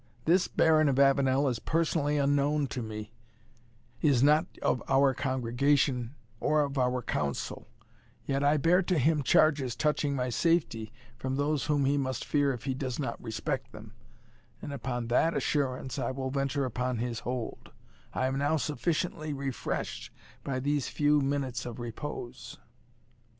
This Baron of Avenel is personally unknown to me, is not of our congregation or of our counsel; yet I bear to him charges touching my safety, from those whom he must fear if he does not respect them, and upon that assurance I will venture upon his hold I am now sufficiently refreshed by these few minutes of repose."